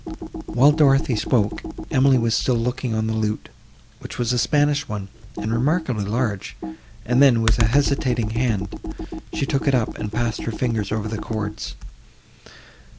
While Dorothée spoke, Emily was still looking on the lute, which was a Spanish one, and remarkably large; and then, with a hesitating hand, she took it up, and passed her fingers over the chords.